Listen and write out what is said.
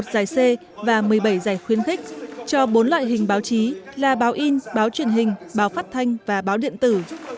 một giải c và một mươi bảy giải khuyến khích cho bốn loại hình báo chí là báo in báo truyền hình báo phát thanh và báo điện tử